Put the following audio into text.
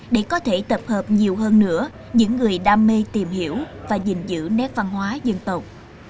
để có thể tập hợp nhiều hơn nữa những người đam mê tìm hiểu và gìn giữ nét văn hóa dân tộc